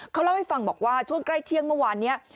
เขาเล่าให้ฟังบอกว่าช่วงใกล้เที่ยงเมื่อวานนี้